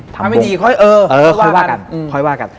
ทำไม่ดีค่อยว่ากัน